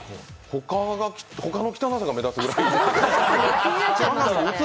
他の汚さが目立つぐらい。